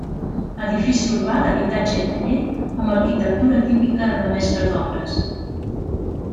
Edifici urbà d'habitatge i taller; amb arquitectura típica de mestre d'obres.